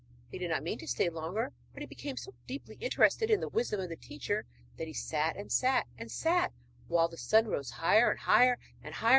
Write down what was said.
He did not mean to stay longer, but became so deeply interested in the wisdom of the teacher, that he sat, and sat, and sat, while the sun rose higher and higher.